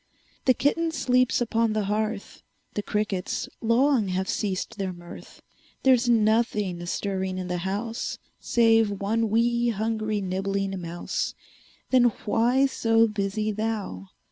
The kitten sleeps upon the hearth, The crickets long have ceased their mirth; There's nothing stirring in the house Save one 'wee', hungry, nibbling mouse, Then why so busy thou?